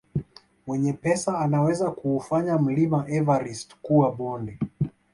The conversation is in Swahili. Mwenye pesa anaweza kuufanya mlima everist kuwa bonde